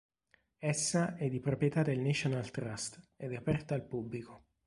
Essa è di proprietà del National Trust ed è aperta al pubblico.